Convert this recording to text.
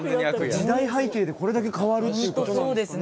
時代背景でこれだけ変わるということなんですかね。